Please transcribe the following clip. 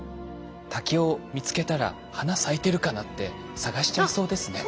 竹を見つけたら花咲いてるかなって探しちゃいそうですね。